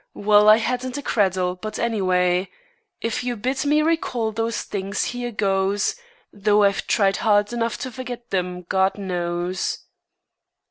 Well, I hadn't a cradle. But, anyway, If you bid me recall those things, here goes Though I've tried hard enough to forget them, God knows.